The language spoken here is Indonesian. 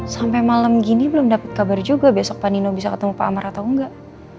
sampai malam gini belum dapat kabar juga besok pak nino bisa ketemu pak amar atau enggak